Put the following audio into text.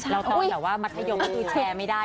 เราต้องแบบว่ามัธยมไม่ได้แชร์เลย